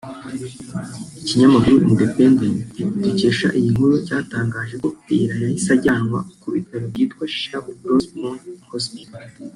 Ikinyamakuru Independent dukesha iyi nkuru cyatangaje ko Kiera yahise ajyanwa ku bitaro byitwa Sharp Grossmont Hospital